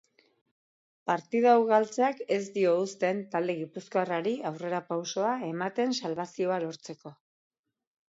Partida hau galtzeak ez dio uzten talde gipuzkoarrari aurrerapausoa ematen salbazioa lortzeko.